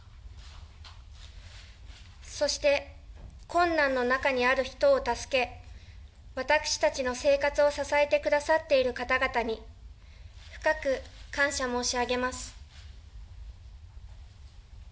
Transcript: そして、困難の中にある人を助け、私たちの生活を支えてくださっている方々に、深く感謝申し上げます。